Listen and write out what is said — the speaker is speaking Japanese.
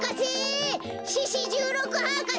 獅子じゅうろく博士！